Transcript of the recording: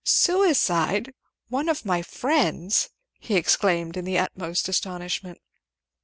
"Suicide! One of my friends!" he exclaimed in the utmost astonishment.